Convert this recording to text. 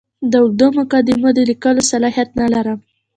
د اوږدو مقدمو د لیکلو صلاحیت نه لرم.